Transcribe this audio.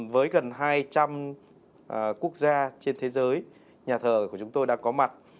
với gần hai trăm linh quốc gia trên thế giới nhà thờ của chúng tôi đã có mặt